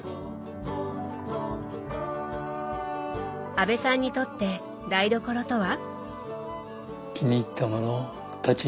阿部さんにとって台所とは？